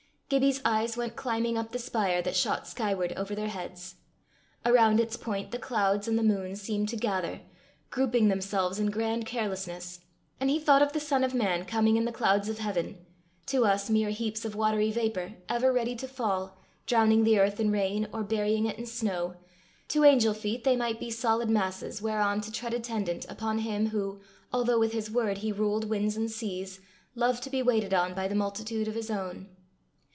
Gibbie's eyes went climbing up the spire that shot skyward over their heads. Around its point the clouds and the moon seemed to gather, grouping themselves in grand carelessness; and he thought of the Son of Man coming in the clouds of heaven; to us mere heaps of watery vapour, ever ready to fall, drowning the earth in rain, or burying it in snow; to angel feet they might be solid masses whereon to tread attendant upon him, who, although with his word he ruled winds and seas, loved to be waited on by the multitude of his own!